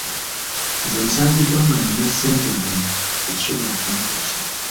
Nze nsangiddwa nga nnina ssente ntono tezisobola kuntuusa.